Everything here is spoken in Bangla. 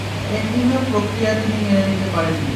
এ হীন প্রক্রিয়া তিনি মেনে নিতে পারেন নি।